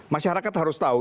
masyarakat harus tahu